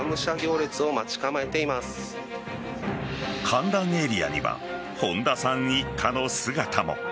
観覧エリアには本田さん一家の姿も。